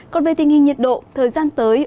còn về tình hình nhiệt độ thời gian tới